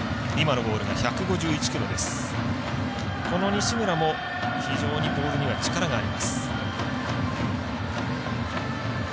西村も非常にボールには力があります。